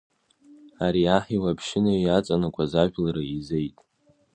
Ари аҳ иуаԥшьына иаҵанакуаз ажәлар еизеит.